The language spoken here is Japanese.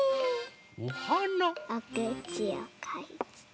おくちをかいて。